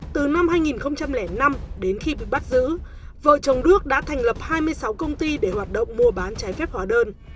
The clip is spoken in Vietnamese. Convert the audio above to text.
từ năm hai nghìn năm đến khi bị bắt giữ vợ chồng đước đã thành lập hai mươi sáu công ty để hoạt động mua bán trái phép hóa đơn